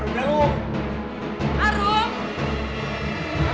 sebentar ya bu